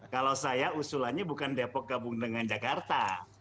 kalau saya usulannya bukan depok gabung dengan jakarta